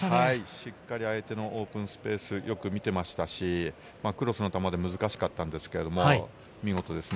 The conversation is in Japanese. しっかりと相手のオープンスペースをよく見ていましたし、クロスの頭で難しかったんですけど、見事ですね。